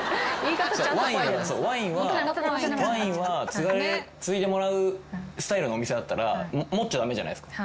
ワインはついでもらうスタイルのお店だったら持っちゃ駄目じゃないですか。